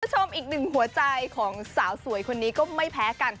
คุณผู้ชมอีกหนึ่งหัวใจของสาวสวยคนนี้ก็ไม่แพ้กัน